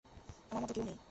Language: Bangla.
আমার মতো কেউ নেই।